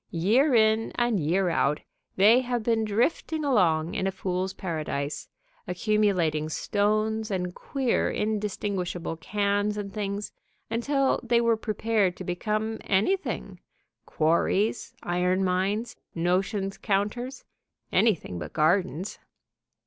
Year in and year out they have been drifting along in a fools' paradise, accumulating stones and queer, indistinguishable cans and things, until they were prepared to become anything, quarries, iron mines, notion counters, anything but gardens.